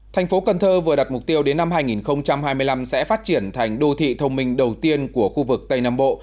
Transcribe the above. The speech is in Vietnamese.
thành phố cần thơ vừa đặt mục tiêu đến năm hai nghìn hai mươi năm sẽ phát triển thành đô thị thông minh đầu tiên của khu vực tây nam bộ